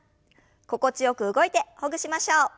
心地よく動いてほぐしましょう。